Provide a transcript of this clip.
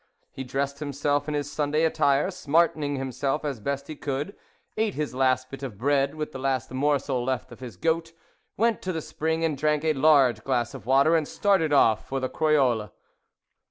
He dressed himself in his Sunday attire, smartening himself as best he could, ate his last bit of bread with the last morsel left of his goat, went to the spring and drank a large glass of water, and started off for Croyolles.